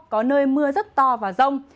có nơi mưa rất to và rông